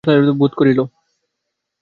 চারু ও অমলের সখিত্বে ভূপতি আনন্দ বোধ করিত।